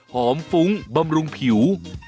หอมฟุ้งบำรุงผิว